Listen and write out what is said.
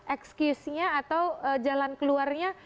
excuse nya atau jalan keluarnya